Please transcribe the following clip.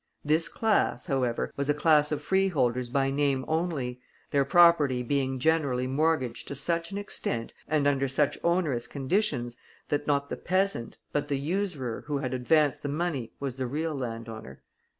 This class, however, was a class of freeholders by name only, their property being generally mortgaged to such an extent, and under such onerous conditions, that not the peasant, but the usurer who had advanced the money, was the real landowner.